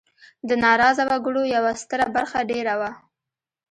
د ناراضه وګړو یوه ستره برخه دېره وه.